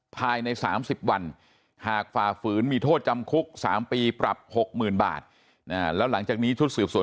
ภายใน๓๐วันหากฝ่าฝืนมีโทษจำคุก๓ปีปรับ๖๐๐๐บาทแล้วหลังจากนี้ชุดสืบสวน